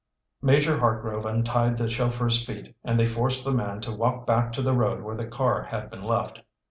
Major Hartgrove untied the chauffeur's feet and they forced the man to walk back to the road where the car had been left.